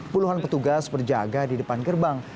puluhan petugas berjaga di depan gerbang